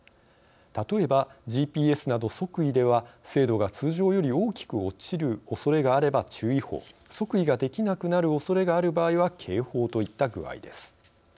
例えばＧＰＳなど測位では精度が通常より大きく落ちるおそれがあれば注意報測位ができなくなるおそれがある場合は警報といった具合です。